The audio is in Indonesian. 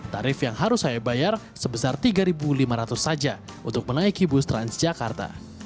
tarif yang harus saya bayar sebesar rp tiga lima ratus saja untuk menaiki bus transjakarta